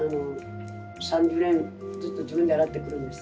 ３０年ずっと自分で洗ってくるんです。